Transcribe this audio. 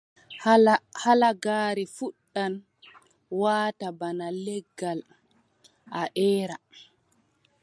Halagaare fuɗɗan waata bana legal, a eera.